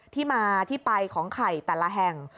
ที่ไปของไข่แต่ละแห่ง